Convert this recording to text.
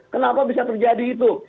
kenapa bisa terjadi itu